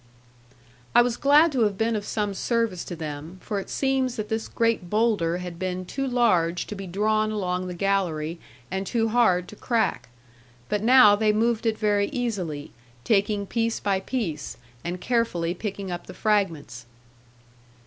I was glad to have been of some service to them; for it seems that this great boulder had been too large to be drawn along the gallery and too hard to crack. But now they moved it very easily, taking piece by piece, and carefully picking up the fragments.